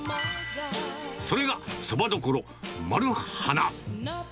それが、蕎麦処丸花。